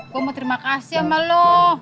gua mau terima kasih sama lu